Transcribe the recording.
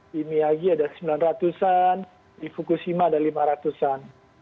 di miyagi ada sembilan ratus an di fukushima ada lima ratus an